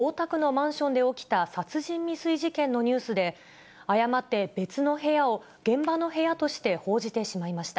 きのう、このコーナーでお伝えした東京・大田区のマンションで起きた殺人未遂事件のニュースで、誤って別の部屋を現場の部屋として報じてしまいました。